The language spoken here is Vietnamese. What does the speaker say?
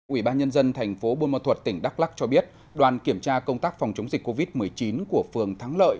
ủy ban nhân dân thành phố buôn ma thuật tỉnh đắk lắc cho biết đoàn kiểm tra công tác phòng chống dịch covid một mươi chín của phường thắng lợi